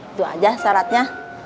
itu saja syaratnya